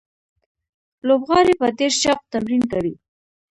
لوبغاړي په ډېر شوق تمرین کوي.